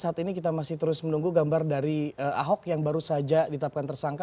saat ini kita masih terus menunggu gambar dari ahok yang baru saja ditapkan tersangka